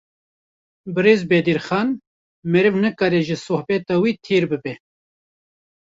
Birêz Bedirxan, meriv nikare ji sohbeta we têr bibe